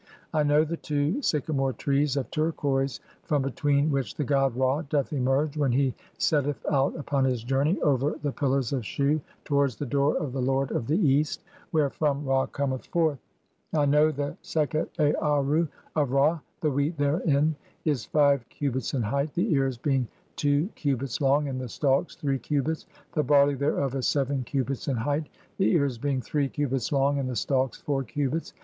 I know (9) the two "sycamore trees of turquoise, from between which the god Ra "doth emerge when he setteth out upon his journey (10) over "the pillars of Shu towards the door of the Lord of the East, "wherefrom Ra cometh forth. I (n) know the Sekhet Aarru of "Ra. The wheat therein is (12) five cubits in height, the ears "being two cubits long, and the stalks three cubits ; the barley "thereof is seven cubits in height, (i3) the ears being three "cubits long and the stalks four cubits.